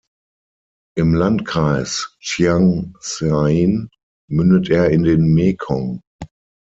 Im Landkreis Chiang Saen mündet er in den Mekong.